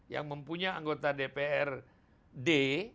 yang mempunyai anggota dprd